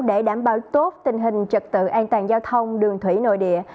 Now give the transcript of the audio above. để đảm bảo tốt tình hình trật tự an toàn giao thông đường thủy nội địa